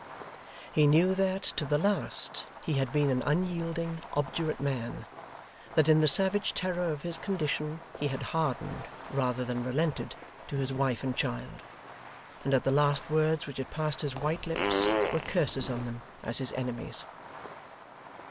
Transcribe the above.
He knew that, to the last, he had been an unyielding, obdurate man; that in the savage terror of his condition he had hardened, rather than relented, to his wife and child; and that the last words which had passed his white lips were curses on them as his enemies.